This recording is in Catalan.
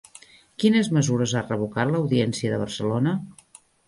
Quines mesures ha revocat l'Audiència de Barcelona?